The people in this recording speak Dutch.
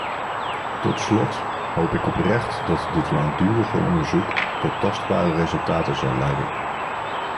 Tot slot hoop ik oprecht dat dit langdurige onderzoek tot tastbare resultaten zal leiden.